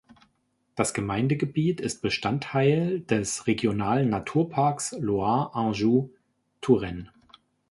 Das Gemeindegebiet ist Bestandteil des Regionalen Naturparks Loire-Anjou-Touraine.